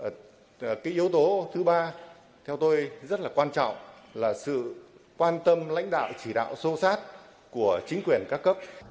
và cái yếu tố thứ ba theo tôi rất là quan trọng là sự quan tâm lãnh đạo chỉ đạo sâu sát của chính quyền các cấp